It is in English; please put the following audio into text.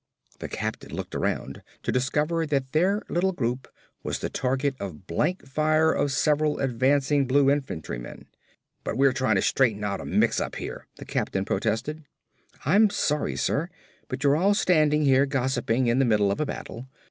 The captain looked around to discover that their little group was the target of the blank fire of several advancing Blue infantrymen. "But we're trying to straighten out a mix up here," the captain protested. "I'm sorry, sir, but you're all standing here gossiping in the middle of a battle.